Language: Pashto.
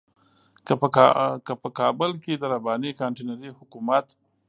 که په کابل کې د رباني کانتينري حکومت.